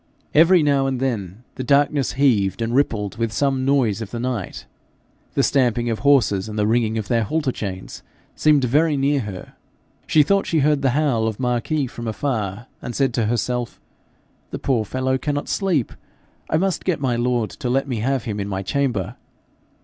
Every now and then the darkness heaved and rippled with some noise of the night. The stamping of horses, and the ringing of their halter chains, seemed very near her. She thought she heard the howl of Marquis from afar, and said to herself, 'The poor fellow cannot sleep! I must get my lord to let me have him in my chamber.'